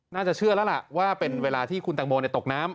น่าจะเชื่อแล้วล่ะว่าเป็นเวลาที่คุณตังโมตกน้ำ